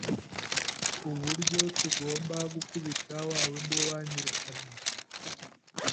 uburyo tugomba gukubita wa wundi wanyirukanye,